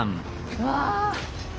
うわ！